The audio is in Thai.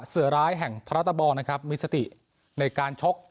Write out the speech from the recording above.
เสือร้ายแห่งพระราชบอลนะครับมีสติในการชก